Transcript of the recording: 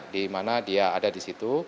di mana dia ada di situ